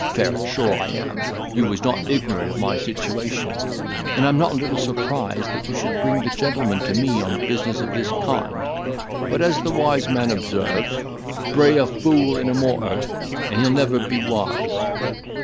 Ferret, sure I am, you was not ignorant of my situation; and I'm not a little surprised that you should bring the gentleman to me on business of this kind; but, as the wise man observes, Bray a fool in a mortar, and he'll never be wise."